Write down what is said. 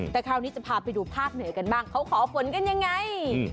แต่คราวนี้จะพาไปดูภาคเหนือกันบ้างเขาขอฝนกันยังไง